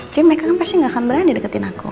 jadi mereka kan pasti gak akan berani deketin aku